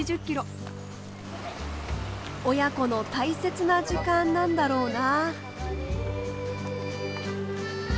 親子の大切な時間なんだろうな。